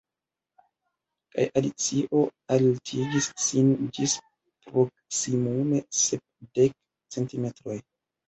Kaj Alicio altigis sin ĝis proksimume sepdek centimetroj.